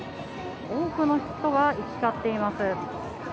多くの人が行き交っています。